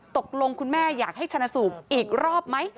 คุณแม่อยากให้ชนะสูตรอีกรอบไหม